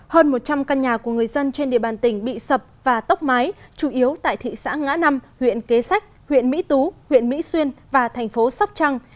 hơn một trăm linh căn nhà của người dân trên địa bàn tỉnh bị sập và tốc mái chủ yếu tại thị xã ngã năm huyện kế sách huyện mỹ tú huyện mỹ xuyên và thành phố sóc trăng